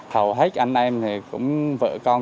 hầu hết anh em thì cũng vợ con cũng phải trực chiến